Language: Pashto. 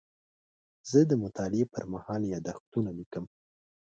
زه د مطالعې پر مهال یادښتونه لیکم.